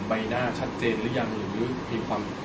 ใบหน้าชัดเจนหรือยังหรือมีความ